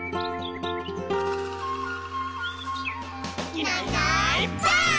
「いないいないばあっ！」